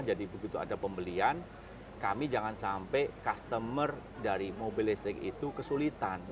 jadi begitu ada pembelian kami jangan sampai customer dari mobil listrik itu kesulitan